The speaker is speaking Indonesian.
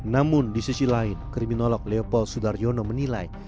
namun di sisi lain kriminolog leopol sudaryono menilai